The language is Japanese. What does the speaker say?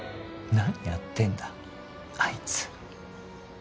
何やってんだあいつ。